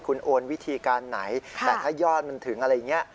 คุณโอนวิธีการไหนแต่ถ้ายอดมันถึงอะไรอย่างนี้